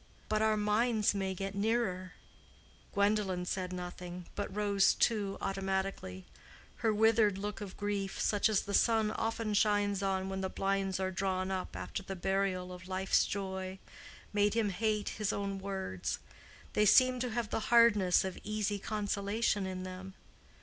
But our minds may get nearer." Gwendolen said nothing, but rose too, automatically. Her withered look of grief, such as the sun often shines on when the blinds are drawn up after the burial of life's joy, made him hate his own words: they seemed to have the hardness of easy consolation in them.